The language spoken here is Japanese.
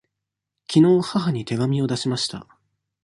きのう母に手紙を出しました。